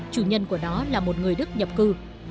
chủ nhân của nó là một người đức nhập cư